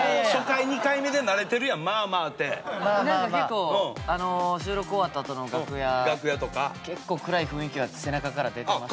結構収録終わったあとの楽屋結構暗い雰囲気は背中から出てました。